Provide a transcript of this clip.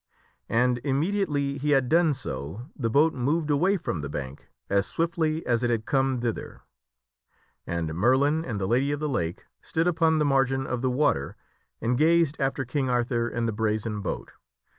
And immediately he had done so, the boat moved away from the bank as swiftly as it had come thither. And Merlin and the Lady of the Lake stood upon the margin of the water, and gazed after King Arthur and the brazen boat.